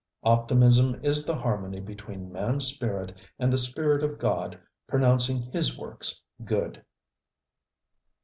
Optimism is the harmony between manŌĆÖs spirit and the spirit of God pronouncing His works good.